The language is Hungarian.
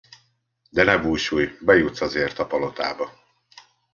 De ne búsulj, bejutsz azért a palotába!